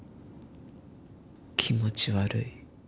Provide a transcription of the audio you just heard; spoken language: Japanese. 気持ち悪い。